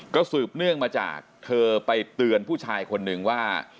ก็สืบเนื่องมาจากเธอไปเตือนผู้ชายคนนึงว่า